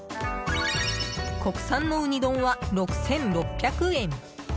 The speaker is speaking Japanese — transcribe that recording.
国産のウニ丼は６６００円。